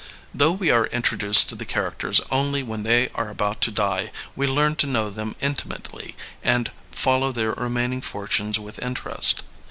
Though we are introduced to the characters only when they are about to die, we learn to know them intimately and follow their remaining fortunes with interest.